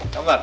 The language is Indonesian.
ini udah sih